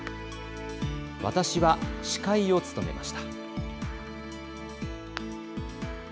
私は司会を務めました。